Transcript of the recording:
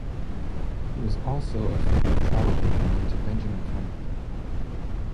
He was also a frequent travel companion to Benjamin Franklin.